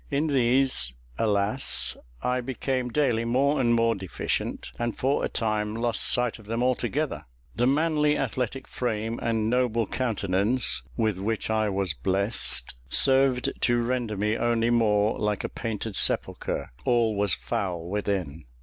In these, alas! I became daily more and more deficient, and for a time lost sight of them altogether. The manly, athletic frame, and noble countenance, with which I was blessed, served to render me only more like a painted sepulchre all was foul within.